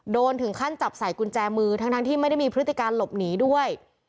ถึงขั้นจับใส่กุญแจมือทั้งที่ไม่ได้มีพฤติการหลบหนีด้วย